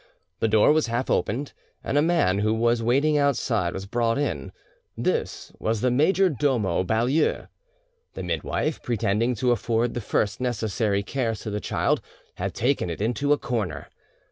The door was half opened, and a man who was waiting outside brought in; this was the major domo Baulieu. The midwife, pretending to afford the first necessary cares to the child, had taken it into a corner.